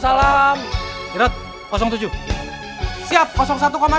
ya ampun dia pergi lagi